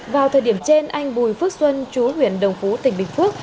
vào thời điểm trên anh bùi phước xuân chú huyện đồng phú tỉnh bình phước